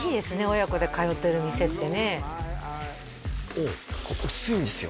親子で通ってる店ってねおお薄いんですよ